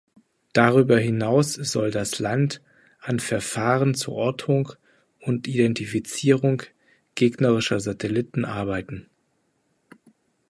Darüber hinaus soll das Land an Verfahren zur Ortung und Identifizierung gegnerischer Satelliten arbeiten.